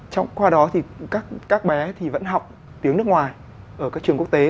trong qua đó thì các bé thì vẫn học tiếng nước ngoài ở các trường quốc tế